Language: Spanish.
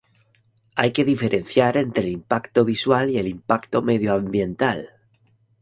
Hay que diferenciar entre el impacto visual y el impacto medioambiental.